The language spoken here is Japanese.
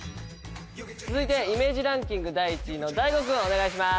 続いてイメージランキング第１位の大吾くんお願いします。